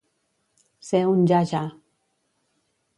Ser un ja-ja.